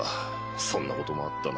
そんなこともあったな